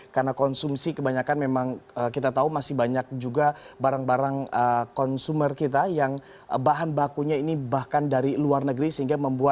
karena konsumsi kebanyakan memang kita tahu masih banyak juga barang barang konsumer kita yang bahan bakunya ini bahkan dari luar negeri